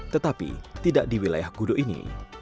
tetapi tidak di wilayah gudo ini